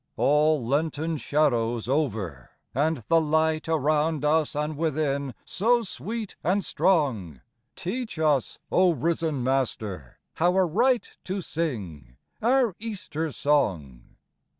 All Lenten shadows over, and the light Around us and within so sweet and strong ! Teach us, O risen Master, how aright To sing our Easter song.